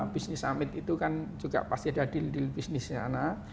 bisnis summit itu kan juga pasti ada deal deal bisnisnya